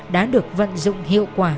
đã được vận dụng hiệu quả